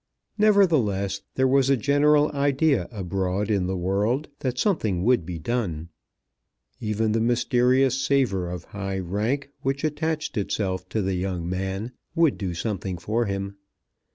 Nevertheless there was a general idea abroad in the world that something would be done. Even the mysterious savour of high rank which attached itself to the young man would do something for him.